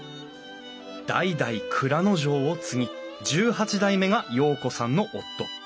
代々内蔵丞を継ぎ１８代目が陽子さんの夫。